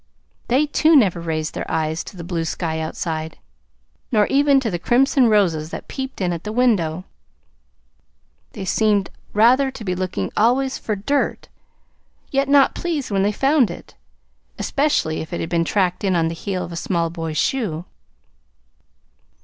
They, too, never raised their eyes to the blue sky outside, nor even to the crimson roses that peeped in at the window. They seemed rather to be looking always for dirt, yet not pleased when they found it especially if it had been tracked in on the heel of a small boy's shoe!